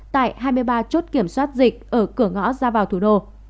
tại hai mươi ba chốt kiểm soát dịch ở cửa ngõ ra vào thủ đô